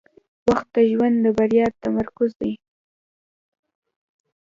• وخت د ژوند د بریا تمرکز دی.